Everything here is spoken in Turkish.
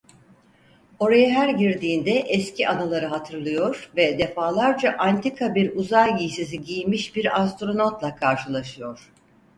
Oraya her girdiğinde eski anıları hatırlıyor ve defalarca antika bir uzay giysisi giymiş bir astronotla karşılaşıyor.